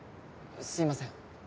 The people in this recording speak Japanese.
すいません。